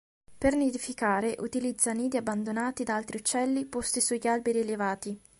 Per nidificare utilizza nidi abbandonati da altri uccelli posti sugli alberi elevati.